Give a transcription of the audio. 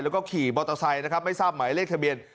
แล้วก็ขี่มอเตอร์ไซค์นะครับไม่ทราบหมายเลขทะเบียน